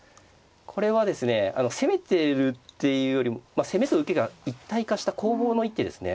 これはですね攻めてるっていうよりも攻めと受けが一体化した攻防の一手ですね。